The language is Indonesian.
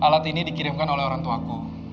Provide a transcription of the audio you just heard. batu ini dikirimkan oleh orangtuaku